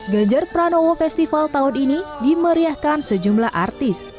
ganjar pranowo festival tahun ini dimeriahkan sejumlah artis